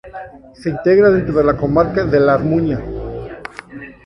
Se integra dentro de la comarca de La Armuña.